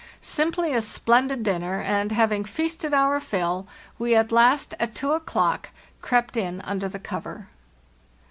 Simply a splendid dinner; and, having feasted our fill, we at last, at 2 o'clock, crept in under the cover.